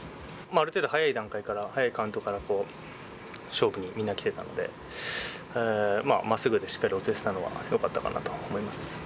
ある程度早い段階から、早いカウントから勝負にみんな、きてたので、まっすぐでしっかり押せてたのは、よかったかなと思います。